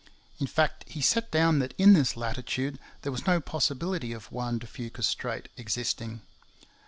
In fact, he set down that in this latitude there was no possibility of Juan de Fuca's strait existing.